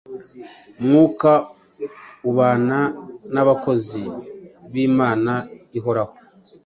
Mwuka ubana n’abakozi b’Imana ihoraho